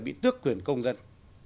bị tước quyền công dân